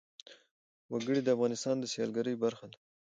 وګړي د افغانستان د سیلګرۍ برخه ده.